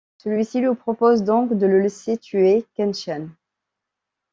Celui-ci lui propose donc de le laisser tuer Kenshin.